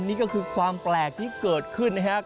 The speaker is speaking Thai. นี่ก็คือความแปลกที่เกิดขึ้นนะครับ